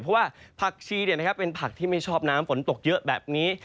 เพราะว่าผักชีเป็นผักที่ไม่ชอบน้ำฝนตกเยอะแบบนี้